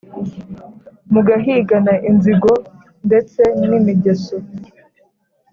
mugahigana inzigo ndetse nimigeso